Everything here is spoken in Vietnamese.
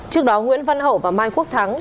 trước đó nguyễn văn hậu và mai quốc thắng